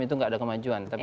itu kita tunggu kapan